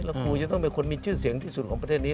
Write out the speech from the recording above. แล้วครูจะต้องเป็นคนมีชื่อเสียงที่สุดของประเทศนี้